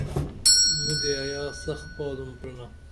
مودے ایا سخ بادُم پرینا